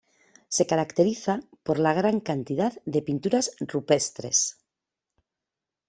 Se caracteriza por la gran cantidad de pinturas rupestres.